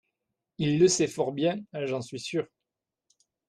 il le sait fort bien, j'en suis sur.